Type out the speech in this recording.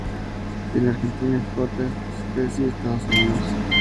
En Argentina exporta esta especie de Estados Unidos.